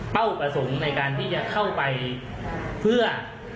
ประสงค์ในการที่จะเข้าไปเพื่อ